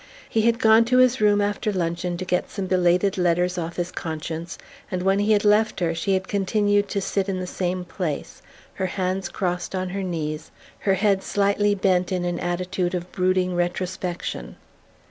He had gone to his room after luncheon to get some belated letters off his conscience; and when he had left her she had continued to sit in the same place, her hands crossed on her knees, her head slightly bent, in an attitude of brooding retrospection.